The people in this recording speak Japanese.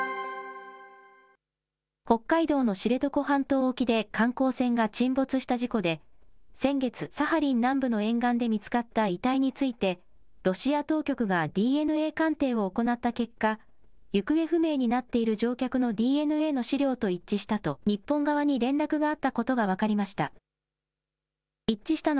北海道の知床半島沖で観光船が沈没した事故で、先月、サハリン南部の沿岸で見つかった遺体について、ロシア当局がＤＮＡ鑑定を行った結果、行方不明になっている乗客のＤＮＡの資料と一致したと日本側に連絡があったことが分かりました。